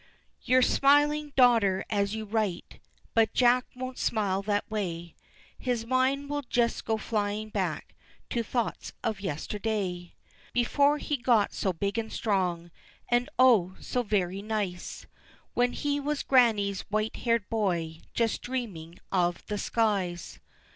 _ You're smiling daughter as you write, But Jack won't smile that way, His mind will just go flying back To thoughts of yesterday; Before he got so big and strong, And oh, so very nice, When he was Grannie's white haired boy Just dreaming of the skies.